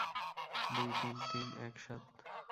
দুই, তিন, তিন, এক, সাত।